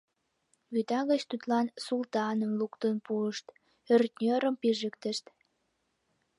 Вӱта гыч тудлан Султаным луктын пуышт, ӧртньӧрым пижыктышт.